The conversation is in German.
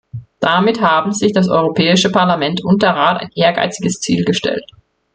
Damit haben sich das Europäische Parlament und der Rat ein ehrgeiziges Ziel gestellt.